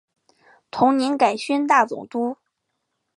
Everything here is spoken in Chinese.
同年改宣大总督。